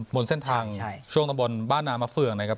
บนเส้นทางช่วงตำบลบ้านนามะเฟืองนะครับ